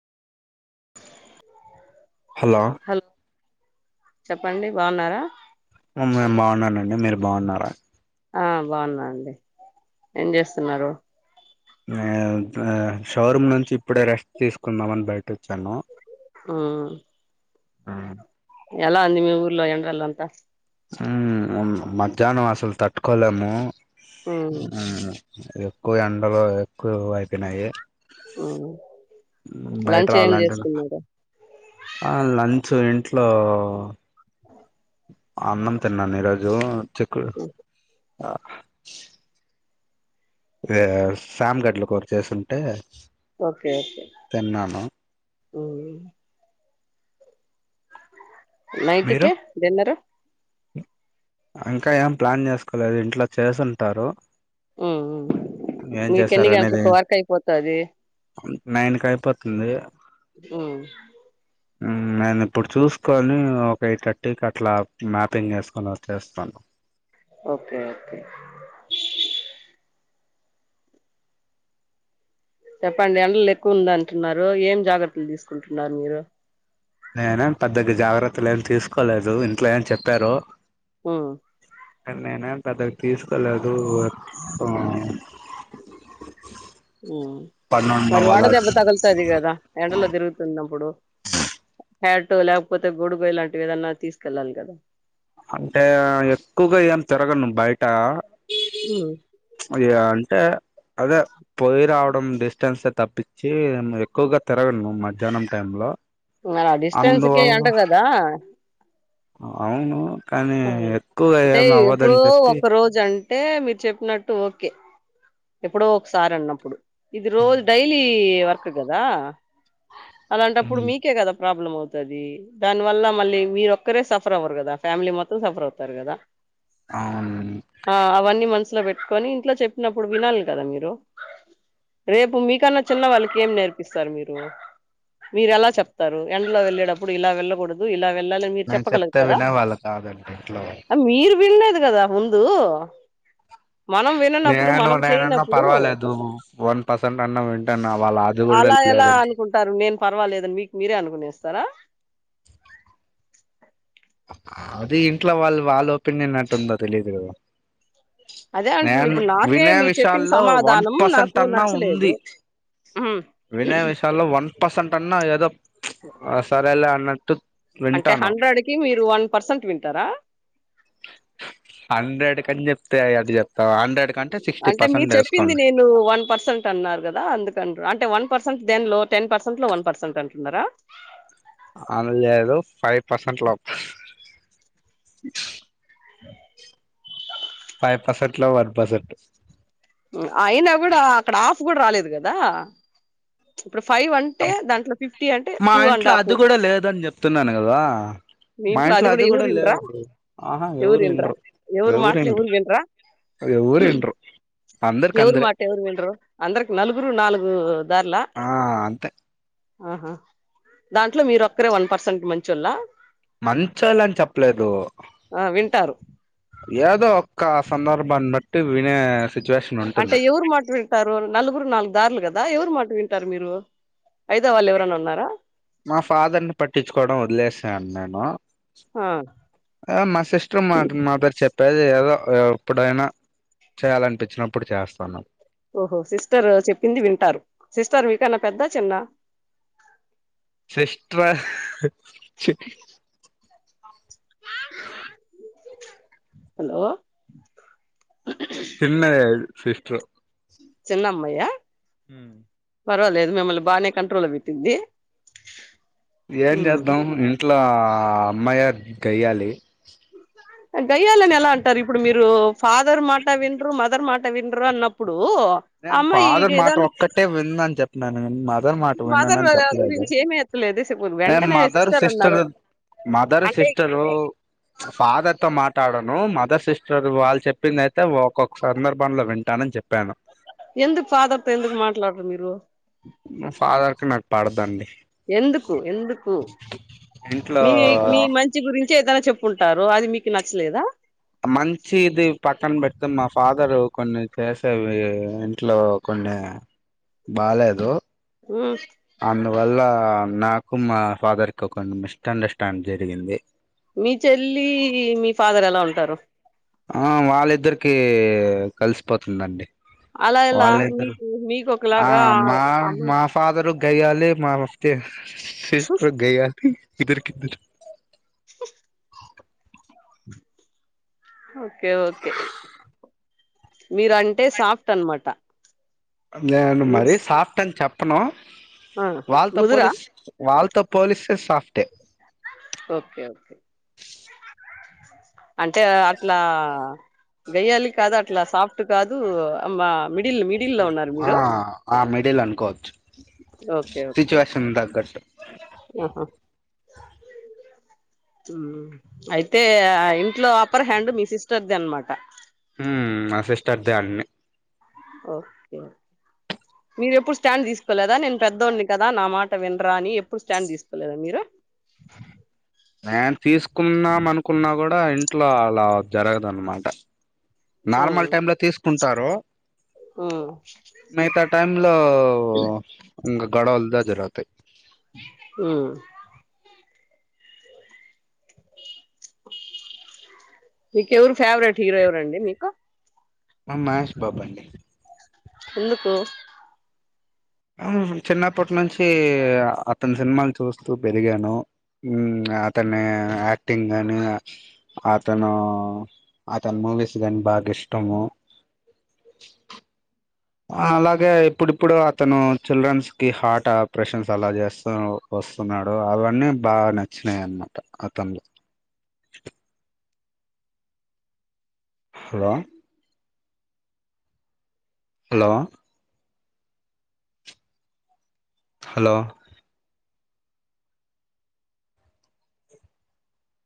Hello చెప్పండి బాగున్నారా ఉమ్ మేమ్ బాగున్నానండి మీరు బాగున్నారా. ఆ బాగున్నాండి ఏం చేస్తున్నారు నేన్ నేన్ షోరూమ్ నుంచి ఇప్పుడే రెస్ట్ తీసుకుందం అని బయట వచ్చాను. హు ఎలా ని మీ ఊర్లో ఎండలు అంత ఉ ఉ మధ్యాహ్నం అసలు తట్టుకోలేము ఉమ్ ఉ కు ఎండలు ఎక్కువ అయిపోనాయి వునా ఉ బయట రావాలంటే ఆ లంచ్ ఇంట్లో అన్నం తిన్నాను ఈ రోజు చిక్కుడు రే సామి గట్లా కూర్చేసింటే ఓకే అయితే ఉ ఉ మీరు నైటికే డిన్నరు ఇంకా ఏం ప్లాన్ చేసుకోలేదు ఇంట్లో చేసింటారు. ఉ ఉ మీకి ఎన్ని అనేది గంటలకు వర్క్ అయిపోతది నైన్ కి అయిపోతుంది ఉ ఉ నేను ఇప్పుడు చూస్కొని ఒక ఎయిట్ థర్టీకి అట్లా మ్యాపింగ్ యేసుకొని వచ్చేస్తాను. ఓకే అయితే చెప్పండి ఎండలు ఎక్కువ ఉంది అంటున్నారు ఏం జాగ్రత్తలు తీసుకుంటున్నారు మీరు. నేనేమ్ పెద్దగా జాగ్రత్తలు ఏమి తీసుకోలేదు ఇంట్లో ఏమ్ చెప్పారు. ఉ నీనేమ్ పెద్దగా తీసుకోలేదు వ ఉ మరి వల్ల వాడదెబ్బ తగులుతది కదా ఎండలో తిరుగుతున్నప్పుడు. హ్యాటో లేకపోతే గొడుగో ఇలాంటివి ఏదన్నా తీసుకెళ్ళాలి కదా. అంటే ఉమ్ అయ్య అంటే అదే పోయి రావడం డిస్టెన్స్ తప్పించి నేన్ ఎక్కువగా తిరగలను మధ్యాహ్నం టై లో. అలా డిస్టెన్స్కే అంట అందువల్ల కదా అవును కానీ ఒ ఎక్కువగా అంటే ఏమి ఎప్పుడో అవ్వదని చెప్పి ఒక రోజు అం అంటే మీరు చెప్పినట్టు ఓకే ఎప్పుడో ఒకసారి అన్నప్పుడు ఇది రోజు డైలీ వర్క్ కదా అలాంటప్పుడు మీకే కదా ప్రాబ్లం అవుతది దాని వల్ల మళ్ళీ మీర ఒక్కరే సఫర్ అవ్వరు కదా ఫ్యామిలీ మొత్తం సఫర్ అవుతారు కదా అవున్ స్లో పెట్టుకొని ఇంట్లో చెప్పినప్పుడు వినాలి కదా మీరు రేపు మీకన్నా చిన్న వాళ్ళకి ఏం నేర్పిస్తారు మీరు మీరు ఎలా చెప్తారు ఎండ్లో వెళ్ళేటప్పుడు ఇలా వెళ్ళకూడదు ఇలా వెళ్ళాలని మీరు నేను చెప్తే చెప్పగలుగుతారా వినే వాళ్ళు కాదండి ఇంట్లో వాళ్ళు అ మీరు విన్ లేదు ద్ కదా ముందు మనం విన్ మే అలా ఎలా అనుకుంటారు నేను పర్వాలేదని మీకు మీరే అనుకునేస్తారా అది ఇంట్లో వాళ్ళు వాళ్ళ ఒపీనియన్ ఎట్టుందో తెలిదు కదా అదే అంటుంది నేన్ ఇప్పుడు నాకే వినయ మీరు చెప్పిన విషల్లో వన్ సమాధానం పర్సెంట్ నాకు అన్నా నచ్చలేదు ఉంది ఉహుం. వినయ విశాల్లో వన్ పర్సెంట్ అన్నా ఏదో ప్చ్ సరేలే అన్నట్టు అంటే వింటాను హండ్రెడ్ కి మీరు వన్ పర్సెంట్ వింటారా తె అయ్ అడు ఎప్ అంటే మీరు చెప్పింది నేను వన్ పర్సెంట్ అన్నారు కదా అందుకండ్రు అంటే వన్ పర్స్ సన్ దెన్ లో టెన్ పర్సెంట్ లో వన్ పర్సెంట్ అంటున్నరా అందు లేదు ఫైవ్ పర్సెంట్ లోప్ అదేది ఫైవ్ పర్సెంట్ లో వన్ పర్సెంటు ఉ అయినా కూడా అక్కడ ఆఫ్ కూడా రాలేదు కదా ప్చ్ మా టూ అండ్ ఇంట్లో హాఫ్ అది కూడా లేదని చెప్తున్నాను కదా మా ఇంట్లో అది కూడా లేవదు ఆహా ఎవరు ఎవర్ వినరా ఇండ్రు ఎవరు ఎవర్ మాటలు ఇండ్రు ఎవరు వినరా ఎవర్ ఇండ్రు ఎవరు మాట ఎవరు విండ్రు అంద్రకి నలుగురు నాలుగు దార్లా ఆ అంతే ఆహా దాంట్లో మీరు ఒక్కరే వన్ పర్సెంట్ మంచోళ్ల మంచోళ్లని చెప్పలేదు ఆ వింటారు ఏదో ఒక్క సందర్భాన్ని బట్టి వినే సి అంటే ఎవరు మాట వింటారు నలుగురు నాలుగు దారులు కదా ఎవరు మాట వింటారు మీరు అయిదో వాళ్ళు ఎవరనా ఉన్నారా మా ఫాదర్ ని పట్టించుకోవడం వదిలేసాను నేను ఆ ఆ మా సిస్ట్రు మాట మా పేరు చెప్ పది ఏదో ఎప్పుడైనా చేయాలనిపించినప్పుడు చేస్తన్న ఓహో సిస్టర్ చెప్పింది వింటారు సిస్టర్ మీకన్నా పెద్ద చిన్న సిస్ట్రా అహ్ చి హలో చిన్నదే అది సిస్ట్ర్ ఉ చిన్నమ్మయ ఊ పర్వాలేదు మిమ్మల్ని బాగానే కంట్రోల్ పెట్టిది ఏం చేద్దాం ఇంట్ల ఆ అమ్మాయ గయ్యాలి అ గయ్యాలని ఎలా అంటారు ఇప్పుడు మీరు ఫాదర్ మాట విండ్రు మదర్ మాట విండ్రు అన్నప్పుడు ఆ నేను అమ్మాయి ఫాదర్ మాట ఏదో ఒక్కటే విన్నని చెప్పినను నే మదర్ మాట ఫాదర్ విననని చెప్పలేదే గురించి ఏమి అక్కు లే దిస్ అ మదర్ సిస్టర్ మదర్ అంటే సిస్టర్ ఫాదర్ తో మాట్లాడను మదర్ సిస్టర్ వాళ్ళు చెప్పిందియితే ఒక్కొక్క సందర్భంలో వింటాను అని చెప్పాను ఎందుకు ఫదర్తో ఎందుకు మాట్లాడరు మీరు ఫాదర్ కి నాకు పడదండి ఎందుకు ఎందుకు ఇంట్లో మీ మీ మంచి గురించే ఏదైనా చెప్పుంటారో అది మీకు నచ్చలేదా మంచి ఇది పక్కన పెడితే మా ఫాదర్ కొన్ని చేసేవి ఇంట్లో కొన్ని బాలేదు హ్మ్ అందువల్ల నాకు మా ఫాదర్ కి కొన్ని మిస్ అండర్స్టాం జరిగింది మీ చెల్లి మీ ఫాదర్ ఎలా ఉంటారు ఆ వాళ్ళిద్దరికి కలిసిపోతుందండి అలా ఎలా వాళ్ళ ఇద్దరు మీకు మీకు ఆ ఒకలాగా మా అమ్మ మా ఫాదరు గయలే మా సిట్టర్ గాయలే ఇద్దరి కిదరు [inaudible] ఓకే ఓకే మీరు అంటే సాఫ్ట్ అనమాట నేను మరీ సాఫ్ట్ అని చెప్పను ఆ, వాళ్ళతో ముదురా పోలి వాళ్ళ పోలిస్తే సాఫ్ట్ ఏ ఓకే ఓకే అంటే అట్లా గయ్యాలి కాదు అట్లా సాఫ్ట్ కాదు మా మిడిల్ మిడిల్ లో ఉన్నారు ఆ మీరు ఆ మిడిల్ అనుకోవచ్చు ఓకే ఓకే సిట్యువేషన్ తగ్గాటు ఆహా [inaudible] అయితే ఆ ఇంట్లో అప్పర్ హ్యాండ్ మీ సిస్టర్ది అనమాట నా సిస్టర్ దే అన్ని ఓకేే మీరు ఎప్పుడు స్టాండ్ తీసుకోలేదా నేను పెద్దోడి కదా నా మాట వినరా అని ఎప్పుడు స్టాండ్ తీసుకోలేదా మీరు [inaudible] నేను తీసుకుదం అనుకున్నా కూడా ఇంట్లో అలా జరగదున్నమాట మ్మ్ నార్మల్ టైమ్ లో తీసుకుంటారు మ్మ్ మిత టైమ్ లో ఇకా గొడవలు జరుగుతాయి ఆ మీకెవరు ఫేవరెట్ హీరో ఎవరండి మీకు మా మహేష్ బాబా అండి ఎందుకు చిన్నప్పటి నుంచి అతని సినిమాలు చూస్తూ పెరిగాను అతను యాక్టింగ్ కాని అతను అతను మూవీస్ కాగాని బాగా ఇష్టము అలాగే ఇప్పుడిప్పుడు అతను చిల్డ్రన్స్ కి హార్ట్ ఆపరేషన్స్ అలా చేస్త వస్తున్నాడు అవన్నీ బాగా నచ్చినాయ అన్నమాట అతన్లో హలో హలో హలో